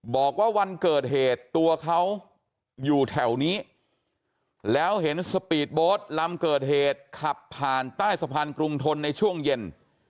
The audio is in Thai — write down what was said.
บอกว่าวันเกิดเหตุตัวเขาอยู่แถวนี้แล้วเห็นสปีดโบสต์ลำเกิดเหตุขับผ่านใต้สะพานกรุงทนในช่วงเย็น